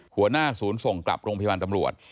หัวหน้าศูนย์ส่งกลับโรงพยาบาลตำรวจ